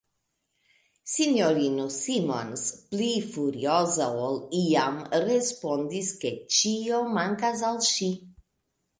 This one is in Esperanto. S-ino Simons, pli furioza ol iam, respondis, ke ĉio mankas al ŝi.